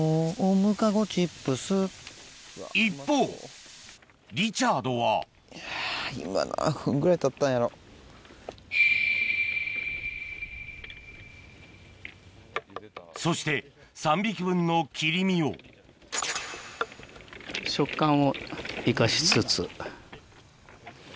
一方リチャードはそして３匹分の切り身を食感を生かしつつ。